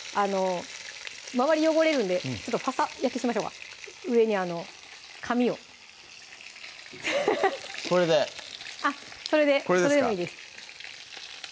周り汚れるんでファサ焼きしましょうか上に紙をこれであっそれでもいいです